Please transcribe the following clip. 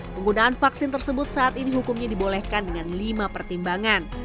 penggunaan vaksin tersebut saat ini hukumnya dibolehkan dengan lima pertimbangan